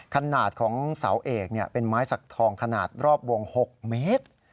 ขนาดของเสาเอกเป็นไม้สักทองขนาดรอบวง๖เมตร